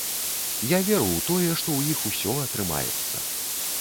Я веру ў тое, што ў іх усё атрымаецца.